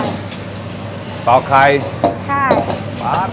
น้ำมันหอย